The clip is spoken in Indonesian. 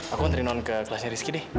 aku nanti non ke kelasnya rizky deh